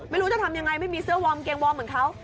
ไม่รู้จะทำยังไงไม่มีเสื้อวอร์มเกงวอร์มเหมือนเขา